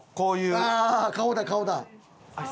ああ顔だ顔だ。